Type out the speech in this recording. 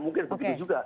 mungkin begitu juga